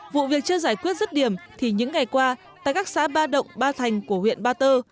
vụ việc chưa giải quyết rứt điểm thì những ngày qua tại các xã ba động ba thành của huyện ba tơ